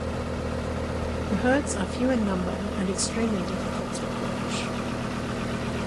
The herds are few in number and extremely difficult to approach.